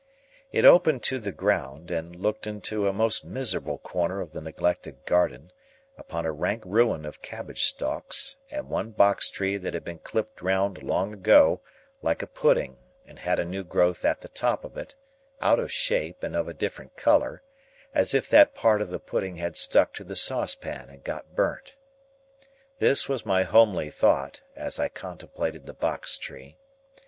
It opened to the ground, and looked into a most miserable corner of the neglected garden, upon a rank ruin of cabbage stalks, and one box tree that had been clipped round long ago, like a pudding, and had a new growth at the top of it, out of shape and of a different colour, as if that part of the pudding had stuck to the saucepan and got burnt. This was my homely thought, as I contemplated the box tree.